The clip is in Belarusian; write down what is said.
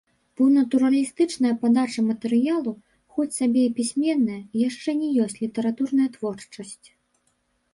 Бо натуралістычная падача матэрыялу, хоць сабе і пісьменная, яшчэ не ёсць літаратурная творчасць.